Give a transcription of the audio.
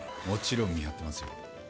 もちろん見張ってますよ。